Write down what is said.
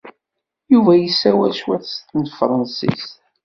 Yuba yessawal cwiṭ n tefṛensist.